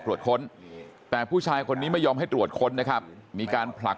ตรวจค้นแต่ผู้ชายคนนี้ไม่ยอมให้ตรวจค้นนะครับมีการผลัก